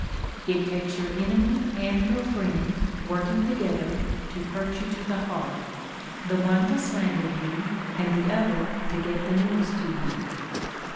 It takes your enemy and your friend, working together, to hurt you to the heart: the one to slander you and the other to get the news to you.